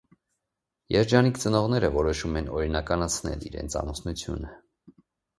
Երջանիկ ծնողները որոշում են օրինականացնել իրենց ամուսնությունը։